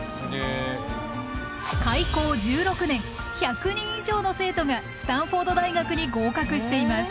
開校１６年１００人以上の生徒がスタンフォード大学に合格しています。